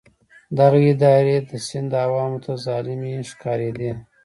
دغه ادارې د سند عوامو ته ظالمې ښکارېدې.